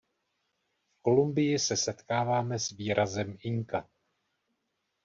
V Kolumbii se setkáváme s výrazem "inka".